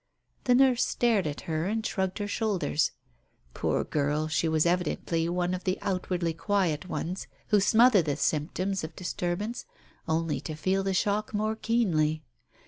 The nurse stared at her, and shrugged her shoulders. Poor girl ! She was evidently one of the outwardly Digitized by Google 32 TALES OF THE UNEASY quiet ones, who smother the symptoms of disturbance, only to feel the shock more keenly.